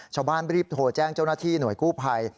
ชาวบ้านรีบโทรแจ้งเจ้าหน้าที่หน่วยกู้ภัย